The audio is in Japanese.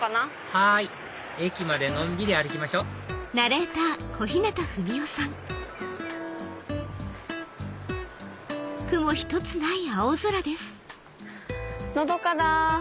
はい駅までのんびり歩きましょうのどかだ。